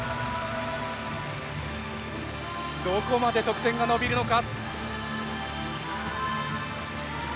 どこまで得点が伸びるのか。